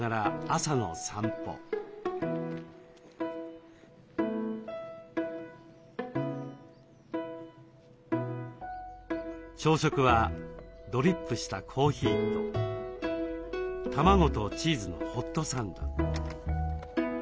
朝食はドリップしたコーヒーと卵とチーズのホットサンド。